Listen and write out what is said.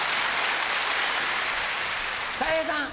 たい平さん。